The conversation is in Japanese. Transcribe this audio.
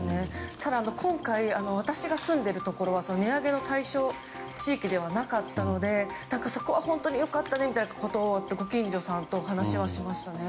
ただ、今回私が住んでいるところは値上げの対象地域ではなかったのでそこは良かったねみたいなことをご近所さんと話はしましたね。